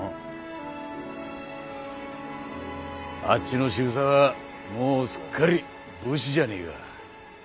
あっちの渋沢はもうすっかり武士じゃねえか。